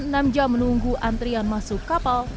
kesal lantaran enam jam menunggu antrian masuk kapal